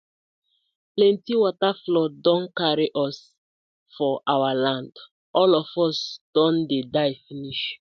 Plenti wata flood don karry we for we land, all of us don dey die finish.